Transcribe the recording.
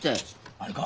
あれか？